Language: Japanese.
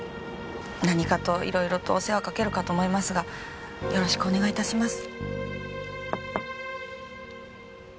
何かといろいろお世話をかけるかと思いますがよろしくお願いします。